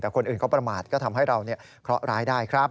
แต่คนอื่นเขาประมาทก็ทำให้เราเคราะหร้ายได้ครับ